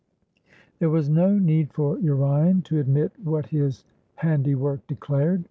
There was no need for Urian to admit what his handiwork declared.